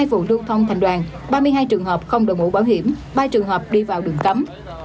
hai vụ lưu thông thành đoàn ba mươi hai trường hợp không đổi mũ bảo hiểm ba trường hợp đi vào đường cấm